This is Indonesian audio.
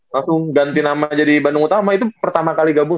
masuk ganti nama jadi bandung utama itu pertama kali gabung